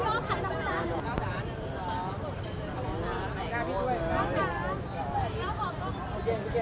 แล้วบอกว่าพี่แกงพี่แกงอาจจะกลุ่มมาที่